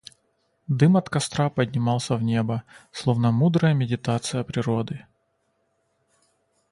Дым от костра поднимался в небо, словно мудрая медитация природы.